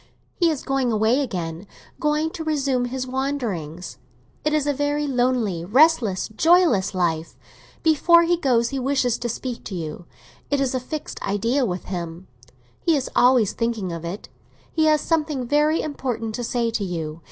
He is going away again—going to resume his wanderings. It is a very lonely, restless, joyless life. Before he goes he wishes to speak to you; it is a fixed idea with him—he is always thinking of it. He has something very important to say to you.